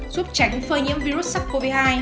giúp tránh phơi nhiễm virus sars cov hai